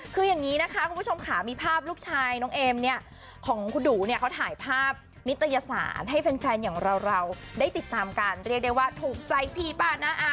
คืออย่างนี้นะคะคุณผู้ชมค่ะมีภาพลูกชายน้องเอมเนี่ยของคุณดูเนี่ยเขาถ่ายภาพนิตยสารให้แฟนอย่างเราได้ติดตามกันเรียกได้ว่าถูกใจพี่ป้านาอา